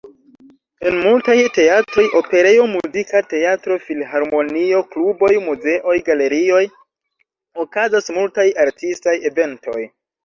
En multaj teatroj, operejo, muzika teatro, filharmonio, kluboj, muzeoj, galerioj, okazas multaj artistaj eventoj.